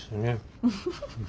フフフフ。